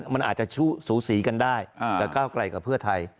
มันอาจจะสูสีกันได้กับก้าวไกลกับเพื่อไทย